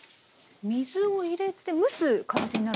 水を入れて蒸す形になるんですね。